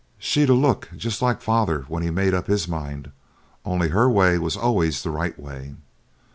She'd a look just like father when he'd made up his mind, only her way was always the right way.